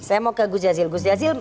saya mau ke gus d'azil